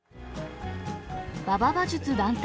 馬場馬術団体。